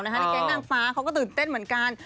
ในแก๊งนางฟ้าเขาก็ตื่นเต้นเหมือนกัน